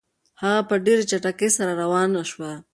هغه په ډېرې چټکۍ سره روانه شوه.